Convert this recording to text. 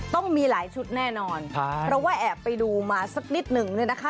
ต้องมีหลายชุดแน่นอนเพราะว่าแอบไปดูมาสักนิดหนึ่งเนี่ยนะคะ